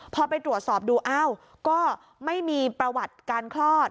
พอไปตรวจสอบดูอ้าวก็ไม่มีประวัติการคลอด